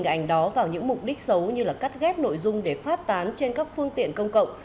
hình ảnh đó vào những mục đích xấu như cắt ghép nội dung để phát tán trên các phương tiện công cộng